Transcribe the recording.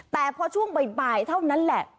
แต่พอช่วงบ่ายเท่านั้นแหละ